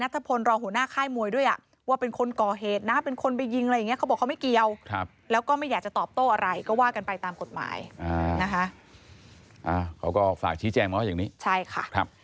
ชี้แจงเหรออย่างนี้ใช่ค่ะ